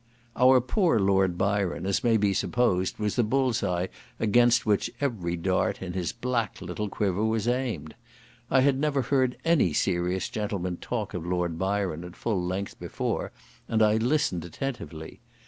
Our poor Lord Byron, as may be supposed, was the bull's eye against which every dart in his black little quiver was aimed. I had never heard any serious gentleman talk of Lord Byron at full length before, and I listened attentively.